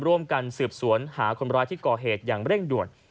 ร่วมกันสืบสวนหาคนร้ายที่ก่อเหตุอย่างเร่งด่วน